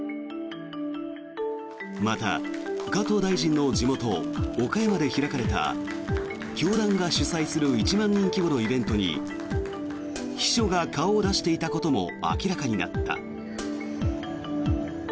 また、加藤大臣の地元岡山で開かれた教団が主催する１万人規模のイベントに秘書が顔を出していたことも明らかになった。